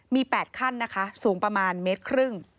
มี๘ขั้นนะคะสูงประมาณ๑๕เมตร